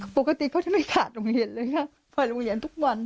ปกติเขาจะไม่ขาดโรงเรียนเลยค่ะเปิดโรงเรียนทุกวัน